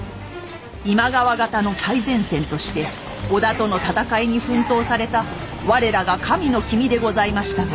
今川方の最前線として織田との戦いに奮闘された我らが神の君でございましたが。